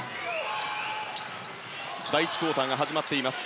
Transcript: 第１クオーターが始まっています。